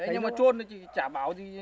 nhưng mà trôn thì chả bảo gì